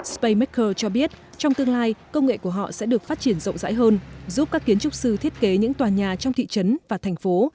spamaker cho biết trong tương lai công nghệ của họ sẽ được phát triển rộng rãi hơn giúp các kiến trúc sư thiết kế những tòa nhà trong thị trấn và thành phố